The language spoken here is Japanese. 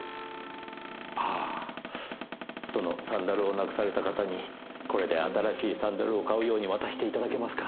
あそのサンダルをなくされた方にこれで新しいサンダルを買うように渡して頂けますか？